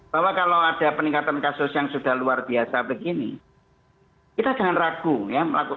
bahwa kalau ada peningkatan kasus yang sudah luar biasa begini kita jangan ragu ya